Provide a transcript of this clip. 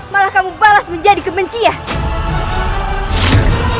malah kamu balas menjadi kebencian